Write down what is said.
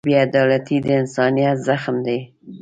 بېعدالتي د انسانیت زخم دی.